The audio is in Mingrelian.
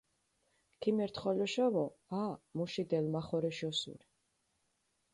ქიმერთ ხოლოშავო, ა, მუში დელმახორეშ ოსური.